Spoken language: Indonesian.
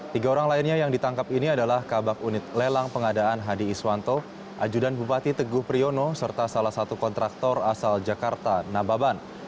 tiga orang lainnya yang ditangkap ini adalah kabak unit lelang pengadaan hadi iswanto ajudan bupati teguh priyono serta salah satu kontraktor asal jakarta nababan